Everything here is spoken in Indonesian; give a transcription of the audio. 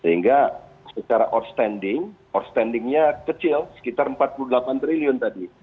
sehingga secara outstanding outstandingnya kecil sekitar empat puluh delapan triliun tadi